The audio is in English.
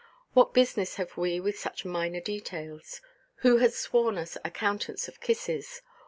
What business have we with such minor details? Who has sworn us accountants of kisses?